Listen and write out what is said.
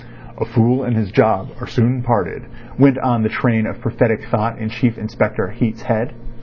"A fool and his job are soon parted," went on the train of prophetic thought in Chief Inspector Heat's head.